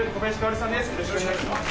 よろしくお願いします。